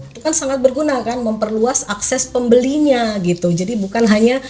itu kan sangat berguna kan memperluas akses pembelinya gitu jadi bukan hanya